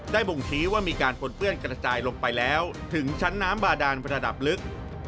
บ่งชี้ว่ามีการปนเปื้อนกระจายลงไปแล้วถึงชั้นน้ำบาดานระดับลึก